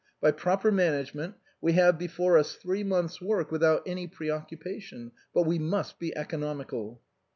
By proper management we have before us three months' work without any preoccupation. But we must be economical."